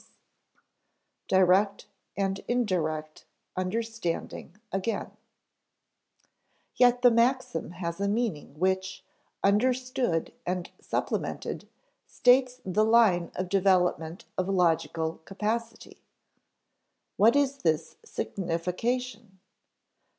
[Sidenote: Direct and indirect understanding again] Yet the maxim has a meaning which, understood and supplemented, states the line of development of logical capacity. What is this signification?